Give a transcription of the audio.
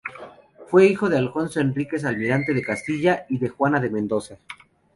Fue hijo de Alfonso Enríquez, almirante de Castilla, y de Juana de Mendoza.